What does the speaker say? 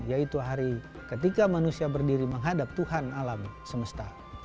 yaitu hari ketika manusia berdiri menghadap tuhan alam semesta